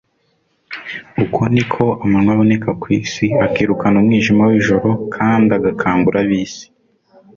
Uko niko amanywa aboneka ku isi akirukana umwijima w'ijoro kandi agakangura ab'isi.